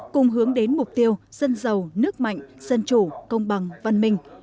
cùng hướng đến mục tiêu dân giàu nước mạnh dân chủ công bằng văn minh